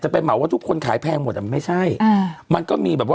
ไปเหมาว่าทุกคนขายแพงหมดอ่ะไม่ใช่อ่ามันก็มีแบบว่า